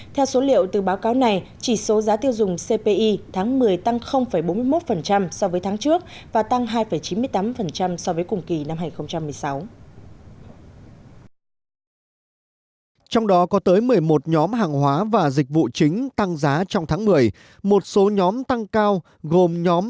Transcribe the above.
theo số liệu từ báo cáo này chỉ số giá tiêu dùng cpi tháng một mươi tăng bốn mươi một so với tháng trước và tăng hai chín mươi tám so với cùng kỳ năm hai nghìn một mươi sáu